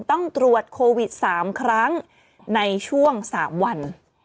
ต้องตรวจโควิด๓ครั้งในช่วง๓วัน